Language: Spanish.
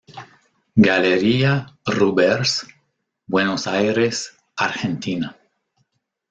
Galería Rubbers.Buenos Aires, Argentina.